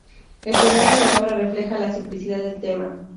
El programa de la obra refleja la simplicidad del tema.